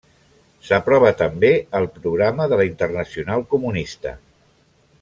S'aprova també el Programa de la Internacional Comunista.